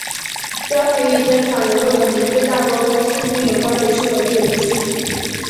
标题与登场人物的名字大多跟戏剧有关也是有意为之。